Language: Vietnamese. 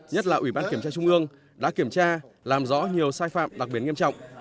nhất là ủy ban kiểm tra trung ương đã kiểm tra làm rõ nhiều sai phạm đặc biệt nghiêm trọng